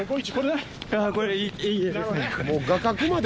ああこれいい画ですね。